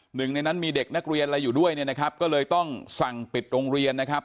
หนึ่งในนั้นมีเด็กนักเรียนอะไรอยู่ด้วยเนี่ยนะครับก็เลยต้องสั่งปิดโรงเรียนนะครับ